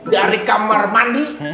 dari kamar mandi